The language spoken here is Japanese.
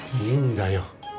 いいんだよ。